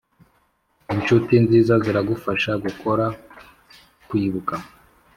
inshuti nziza ziragufasha gukora kwibuka.